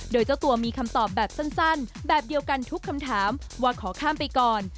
โดยเจ้าตัวมีคำตอบแบบสั้นแบบเดียวกันทุกคำถามว่าขอข้ามไปก่อน